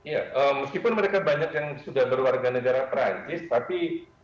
ya meskipun mereka banyak yang sudah berwarga negara perancis tapi